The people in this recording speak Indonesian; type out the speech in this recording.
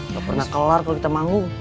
gak pernah kelar kalo kita mau